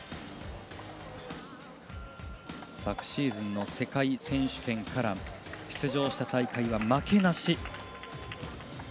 昨シーズンの世界選手権から出場した大会は負けなし。